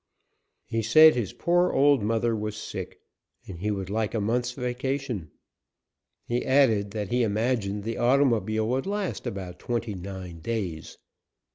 He said his poor old mother was sick, and he would like a month's vacation. He added that he imagined the automobile would last about twenty nine days.